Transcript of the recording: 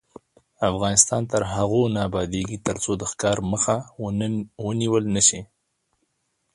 افغانستان تر هغو نه ابادیږي، ترڅو د ښکار مخه ونیول نشي.